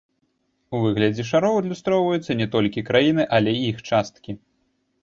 У выглядзе шароў адлюстроўваюцца не толькі краіны, але і іх часткі.